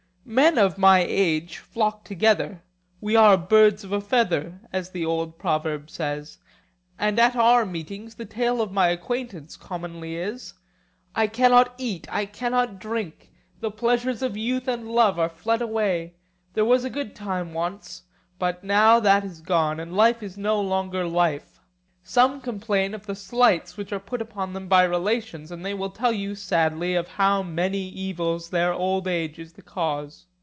Men of my age flock together; we are birds of a feather, as the old proverb says; and at our meetings the tale of my acquaintance commonly is—I cannot eat, I cannot drink; the pleasures of youth and love are fled away: there was a good time once, but now that is gone, and life is no longer life. Some complain of the slights which are put upon them by relations, and they will tell you sadly of how many evils their old age is the cause.